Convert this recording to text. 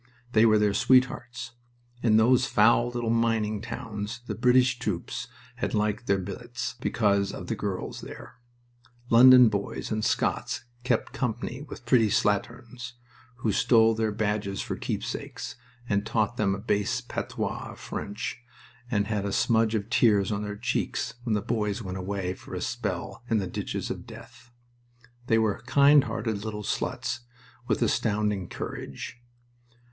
They were their sweethearts. In those foul little mining towns the British troops had liked their billets, because of the girls there. London boys and Scots "kept company" with pretty slatterns, who stole their badges for keepsakes, and taught them a base patois of French, and had a smudge of tears on their cheeks when the boys went away for a spell in the ditches of death. They were kind hearted little sluts with astounding courage.